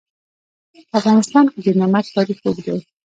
په افغانستان کې د نمک تاریخ اوږد دی.